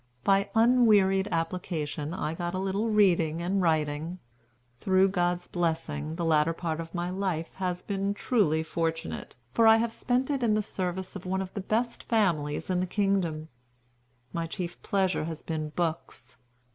By unwearied application I got a little reading and writing. Through God's blessing, the latter part of my life has been truly fortunate, for I have spent it in the service of one of the best families in the kingdom. My chief pleasure has been books.